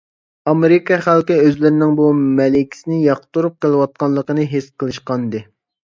ئامېرىكا خەلقى ئۆزلىرىنىڭ بۇ مەلىكىسىنى ياقتۇرۇپ قېلىۋاتقانلىقىنى ھېس قىلىشقانىدى.